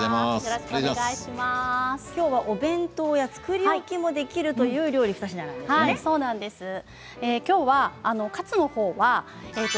きょうは、お弁当や作り置きもできるという料理２品なんですね。